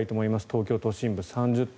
東京都心部３０．８度。